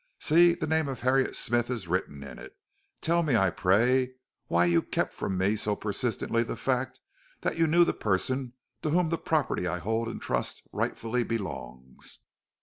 "See! the name of Harriett Smith is written in it. Tell me, I pray, why you kept from me so persistently the fact that you knew the person to whom the property I hold in trust rightfully belongs."